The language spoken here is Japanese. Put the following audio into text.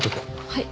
はい。